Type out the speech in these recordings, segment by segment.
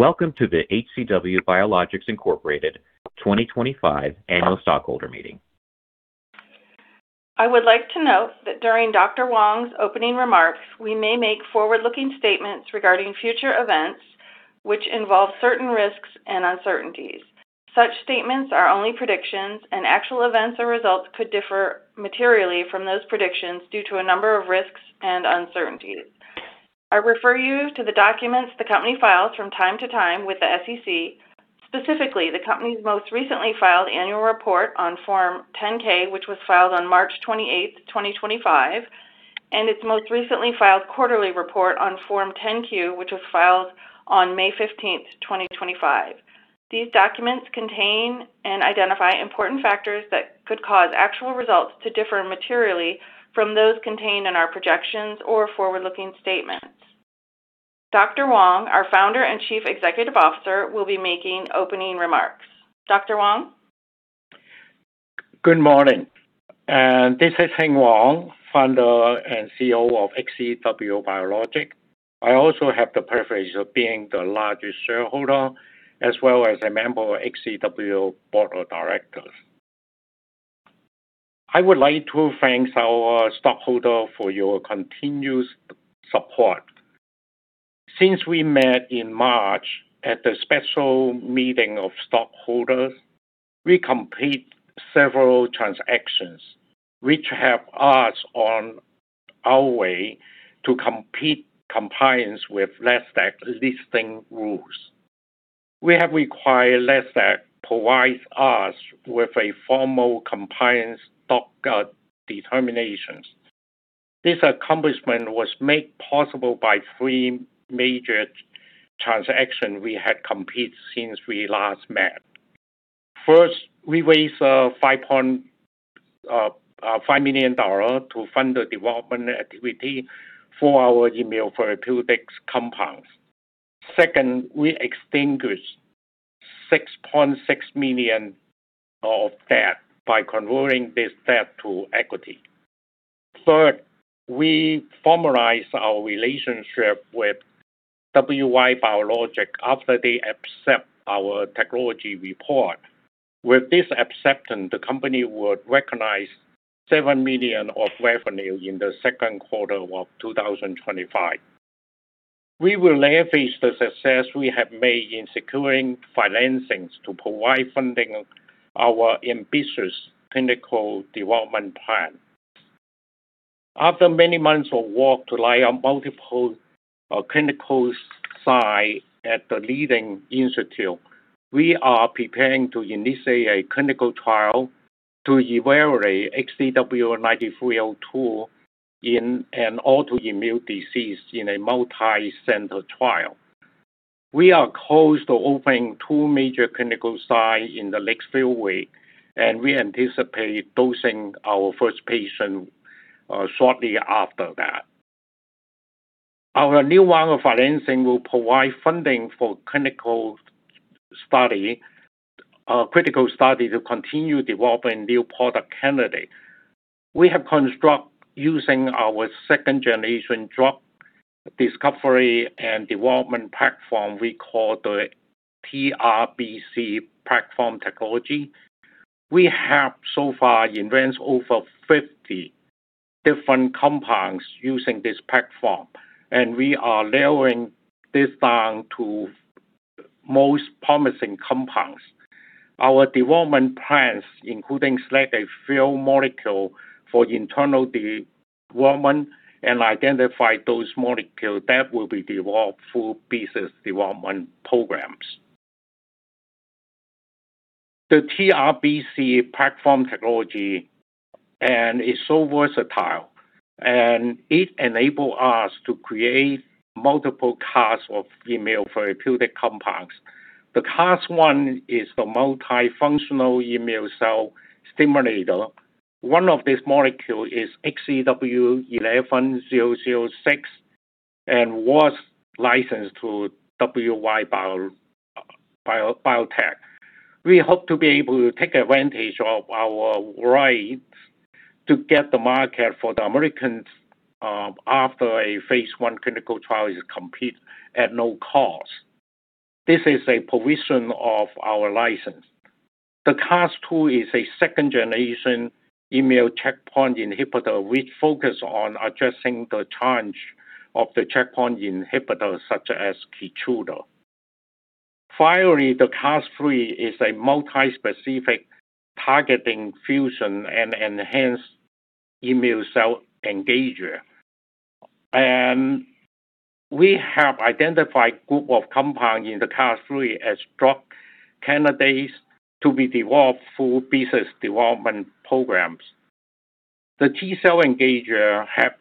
Welcome to the HCW Biologics Incorporated 2025 Annual Stockholder Meeting. I would like to note that during Dr. Wong's opening remarks, we may make forward-looking statements regarding future events which involve certain risks and uncertainties. Such statements are only predictions, and actual events or results could differ materially from those predictions due to a number of risks and uncertainties. I refer you to the documents the company files from time to time with the SEC, specifically the company's most recently filed annual report on Form 10-K, which was filed on March 28th, 2025, and its most recently filed quarterly report on Form 10-Q, which was filed on May 15th, 2025. These documents contain and identify important factors that could cause actual results to differ materially from those contained in our projections or forward-looking statements. Dr. Wong, our Founder and Chief Executive Officer, will be making opening remarks. Dr. Wong. Good morning. This is Hing Wong, Founder and Chief Executive Officer of HCW Biologics. I also have the privilege of being the largest shareholder as well as a member of HCW Board of Directors. I would like to thank our stockholder for your continuous support. Since we met in March at the special meeting of stockholders, we complete several transactions which help us on our way to complete compliance with Nasdaq listing rules. We have required Nasdaq provides us with a formal compliance determination. This accomplishment was made possible by three major transactions we had completed since we last met. First, we raised $5.5 million to fund the development activity for our immunotherapeutics compounds. Second, we extinguished $6.6 million of debt by converting this debt to equity. Third, we formalized our relationship with WY Biotech after they accept our technology report. With this acceptance, the company would recognize $7 million of revenue in the second quarter of 2025. We will leverage the success we have made in securing financings to provide funding our ambitious clinical development plan. After many months of work to lay out multiple clinical sites at the leading institute, we are preparing to initiate a clinical trial to evaluate HCW9302 in an autoimmune disease in a multi-center trial. We are close to opening two major clinical sites in the next few weeks, and we anticipate dosing our first patient shortly after that. Our new round of financing will provide funding for critical study to continue developing new product candidates. We have construct using our second-generation drug discovery and development platform, we call the TRBC platform technology. We have so far advanced over 50 different compounds using this platform, and we are narrowing this down to most promising compounds. Our development plans including select a few molecules for internal development and identify those molecules that will be developed through business development programs. The TRBC platform technology is so versatile, it enable us to create multiple classes of immunotherapeutic compounds. The class 1 is the Multi-Functional Immune Cell simulator. One of these molecule is HCW11006 and was licensed to WY Biotech. We hope to be able to take advantage of our rights to get the market for the Americans after a phase I clinical trial is complete at no cost. This is a provision of our license. The class 2 is a second-generation immune checkpoint inhibitor, which focus on addressing the challenge of the checkpoint inhibitors such as KEYTRUDA. Finally, the class 3 is a Multi-Specific Targeting fusion and Enhanced Immune Cell engager. We have identified group of compounds in the class 3 as drug candidates to be developed through business development programs. The T-cell engager have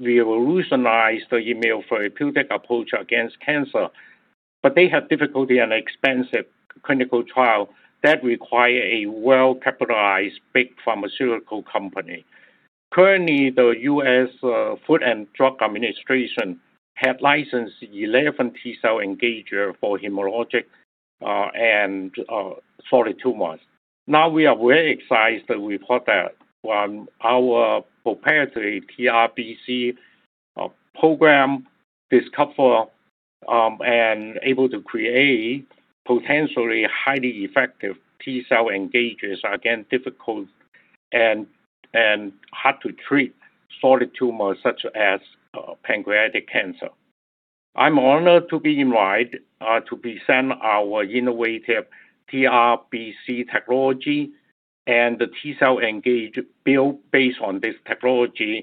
revolutionized the immunotherapeutic approach against cancer, but they have difficulty and expensive clinical trial that require a well-capitalized big pharmaceutical company. Currently, the U.S. Food and Drug Administration have licensed 11 T-cell engager for hematologic and solid tumors. Now we are very excited that we report that our proprietary TRBC program discover and able to create potentially highly effective T-cell engagers against difficult and hard to treat solid tumors such as pancreatic cancer. I'm honored to be invited to present our innovative TRBC technology and the T-cell engager build based on this technology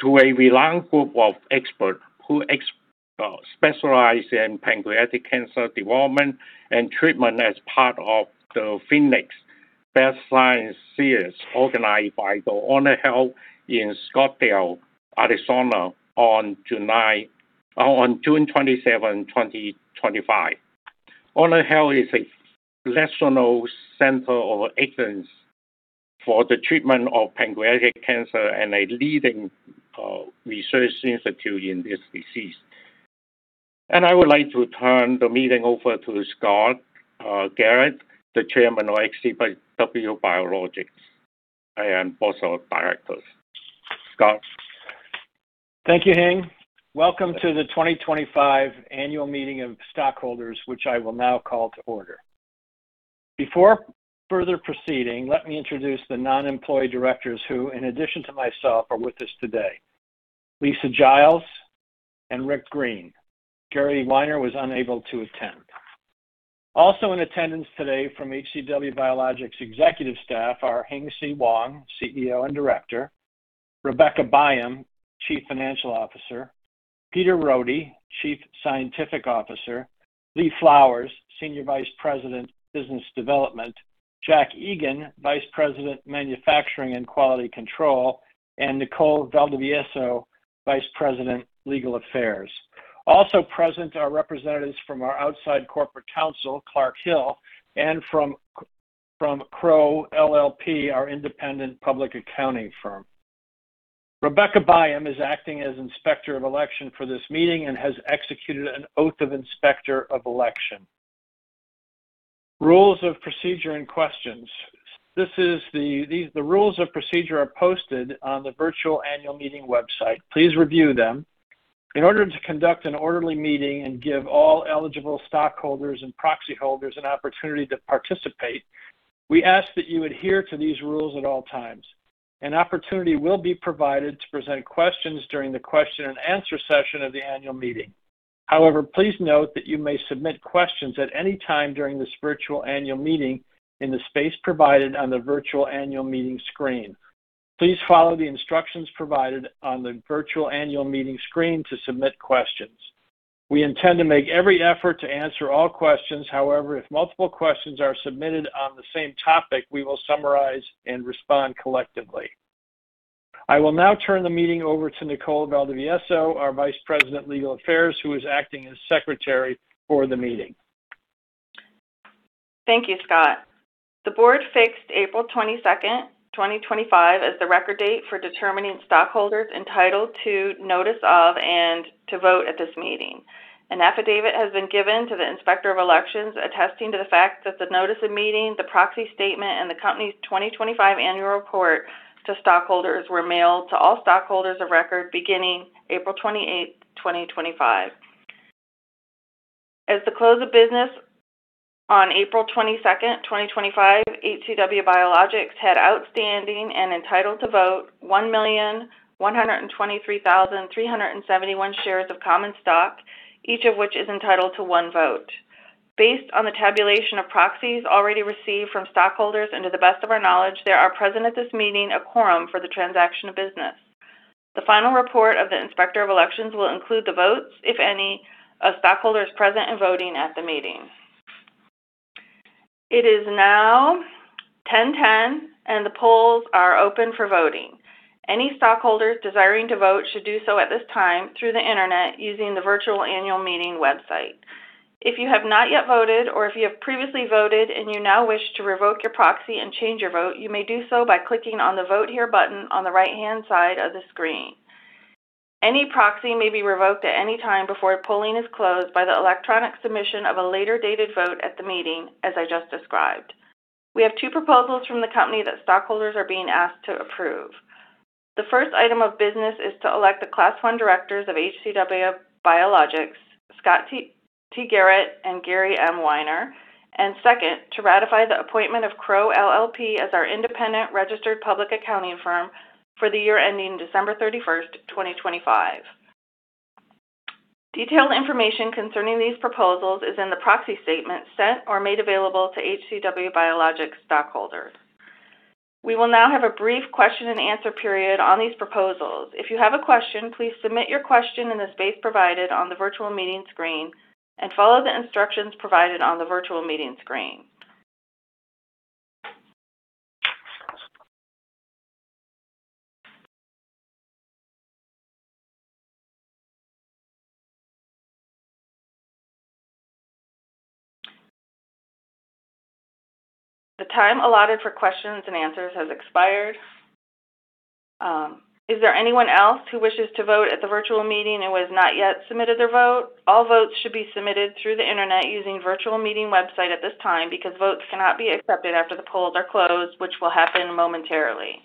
to a renowned group of experts who specialize in pancreatic cancer development and treatment as part of the Congregation Beth Israel organized by the HonorHealth in Scottsdale, Arizona on June 27, 2025. HonorHealth is a national center of excellence for the treatment of pancreatic cancer and a leading research institute in this disease. I would like to turn the meeting over to Scott Garrett, the Chairman of HCW Biologics and also of directors. Scott. Thank you, Hing. Welcome to the 2025 annual meeting of stockholders, which I will now call to order. Before further proceeding, let me introduce the non-employee directors who, in addition to myself, are with us today. Lisa Giles and Rick Greene. Gary Winer was unable to attend. Also in attendance today from HCW Biologics' executive staff are Hing C. Wong, CEO and Director, Rebecca Byam, Chief Financial Officer, Peter Rhode, Chief Scientific Officer, Lee Flowers, Senior Vice President, Business Development, Jack Egan, Vice President, Manufacturing and Quality Control, and Nicole Valdivieso, Vice President, Legal Affairs. Also present are representatives from our outside corporate counsel, Clark Hill, and from Crowe LLP, our independent public accounting firm. Rebecca Byam is acting as Inspector of Election for this meeting and has executed an Oath of Inspector of Election. Rules of procedure and questions. The rules of procedure are posted on the virtual annual meeting website. Please review them. In order to conduct an orderly meeting and give all eligible stockholders and proxy holders an opportunity to participate, we ask that you adhere to these rules at all times. An opportunity will be provided to present questions during the question and answer session of the annual meeting. However, please note that you may submit questions at any time during this virtual annual meeting in the space provided on the virtual annual meeting screen. Please follow the instructions provided on the virtual annual meeting screen to submit questions. We intend to make every effort to answer all questions. However, if multiple questions are submitted on the same topic, we will summarize and respond collectively. I will now turn the meeting over to Nicole Valdivieso, our Vice President, Legal Affairs, who is acting as Secretary for the meeting. Thank you, Scott. The board fixed April 22nd, 2025, as the record date for determining stockholders entitled to notice of and to vote at this meeting. An affidavit has been given to the Inspector of Elections attesting to the fact that the notice of meeting, the proxy statement, and the company's 2025 annual report to stockholders were mailed to all stockholders of record beginning April 28th, 2025. As the close of business on April 22nd, 2025, HCW Biologics had outstanding and entitled to vote 1,123,371 shares of common stock, each of which is entitled to one vote. Based on the tabulation of proxies already received from stockholders and to the best of our knowledge, there are present at this meeting a quorum for the transaction of business. The final report of the Inspector of Elections will include the votes, if any, of stockholders present and voting at the meeting. It is now 10:10, and the polls are open for voting. Any stockholders desiring to vote should do so at this time through the Internet using the virtual annual meeting website. If you have not yet voted or if you have previously voted and you now wish to revoke your proxy and change your vote, you may do so by clicking on the Vote Here button on the right-hand side of the screen. Any proxy may be revoked at any time before polling is closed by the electronic submission of a later-dated vote at the meeting, as I just described. We have two proposals from the company that stockholders are being asked to approve. The first item of business is to elect the Class I directors of HCW Biologics, Scott T. Garrett and Gary M. Winer. Second, to ratify the appointment of Crowe LLP as our independent registered public accounting firm for the year ending December 31st, 2025. Detailed information concerning these proposals is in the proxy statement sent or made available to HCW Biologics stockholders. We will now have a brief question and answer period on these proposals. If you have a question, please submit your question in the space provided on the virtual meeting screen and follow the instructions provided on the virtual meeting screen. The time allotted for questions and answers has expired. Is there anyone else who wishes to vote at the virtual meeting and has not yet submitted their vote? All votes should be submitted through the internet using the virtual meeting website at this time because votes cannot be accepted after the polls are closed, which will happen momentarily.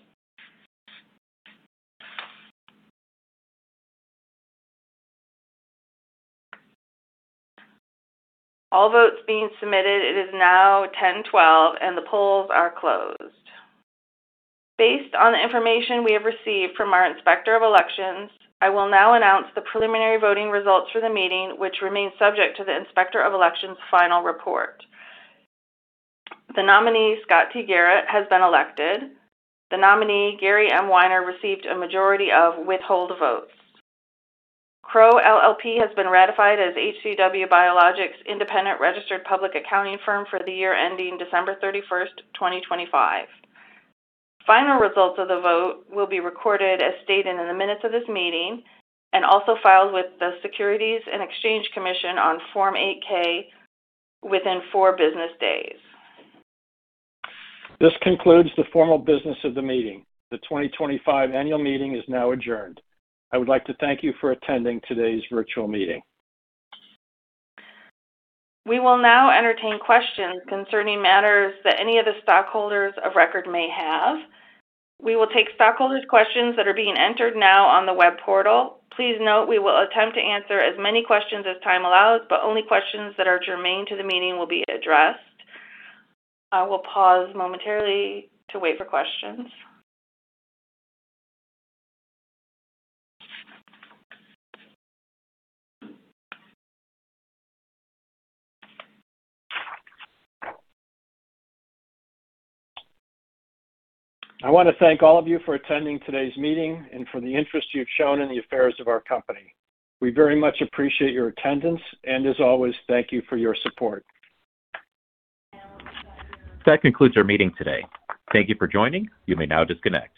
All votes being submitted. It is now 10:12, and the polls are closed. Based on the information we have received from our Inspector of Elections, I will now announce the preliminary voting results for the meeting, which remain subject to the Inspector of Elections' final report. The nominee, Scott T. Garrett, has been elected. The nominee, Gary M. Winer, received a majority of withhold votes. Crowe LLP has been ratified as HCW Biologics' independent registered public accounting firm for the year ending December 31st, 2025. Final results of the vote will be recorded as stated in the minutes of this meeting and also filed with the Securities and Exchange Commission on Form 8-K within four business days. This concludes the formal business of the meeting. The 2025 annual meeting is now adjourned. I would like to thank you for attending today's virtual meeting. We will now entertain questions concerning matters that any of the stockholders of record may have. We will take stockholders' questions that are being entered now on the web portal. Please note we will attempt to answer as many questions as time allows, but only questions that are germane to the meeting will be addressed. I will pause momentarily to wait for questions. I want to thank all of you for attending today's meeting and for the interest you've shown in the affairs of our company. We very much appreciate your attendance, and as always, thank you for your support. That concludes our meeting today. Thank you for joining. You may now disconnect.